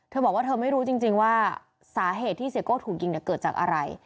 บอกว่าเธอไม่รู้จริงว่าสาเหตุที่เสียโก้ถูกยิงเนี่ยเกิดจากอะไร